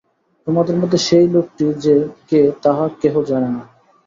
তোমাদের মধ্যে সেই লোকটি যে কে তাহা কেহ জানে না ।